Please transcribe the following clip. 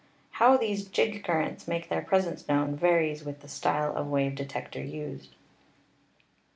How these jig currents make their presence known varies with the style of wave detector used.